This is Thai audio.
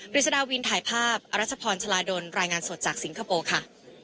ฤษฎาวินถ่ายภาพอรัชพรชลาดลรายงานสดจากสิงคโปร์ค่ะ